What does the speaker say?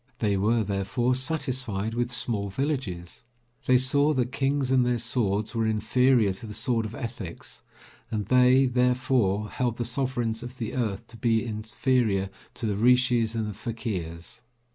They were, therefore, satisfied with small villages. They saw that kings and their swords were inferior to the sword of ethics, and they, therefore, held the sovereigns of the earth to be inferior to the Rishis and the Fakirs.